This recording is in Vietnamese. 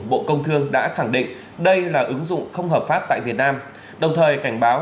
bộ công thương đã khẳng định đây là ứng dụng không hợp pháp tại việt nam đồng thời cảnh báo